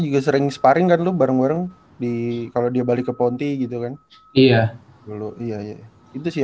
juga sering sparring kan lo bareng bareng di kalau dia balik ke ponti gitu kan iya dulu iya itu sih